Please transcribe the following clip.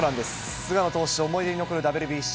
菅野投手の思い出に残るＷＢＣ。